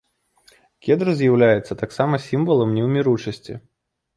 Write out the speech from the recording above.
Кедр з'яўляецца таксама сімвалам неўміручасці.